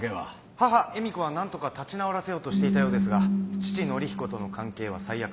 母恵美子はなんとか立ち直らせようとしていたようですが父憲彦との関係は最悪。